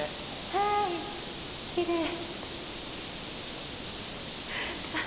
はいきれい。